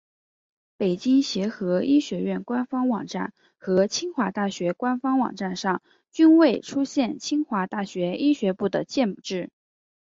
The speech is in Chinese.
北京协和医学院官方网站和清华大学官方网站上均未出现清华大学医学部的建制。